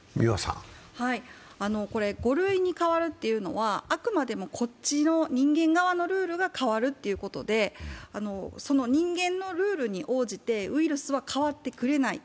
５類に変わるというのは、あくまでも人間側のルールが変わるということで、人間のルールに応じてウイルスは変わってくれない。